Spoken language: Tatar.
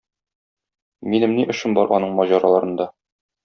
Минем ни эшем бар аның маҗараларында.